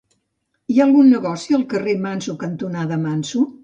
Hi ha algun negoci al carrer Manso cantonada Manso?